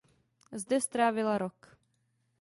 Zde strávila rok.